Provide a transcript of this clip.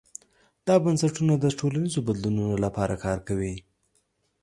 دا بنسټونه د ټولنیزو بدلونونو لپاره کار کوي.